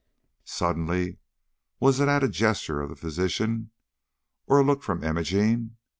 Suddenly was it at a gesture of the physician, or a look from Imogene?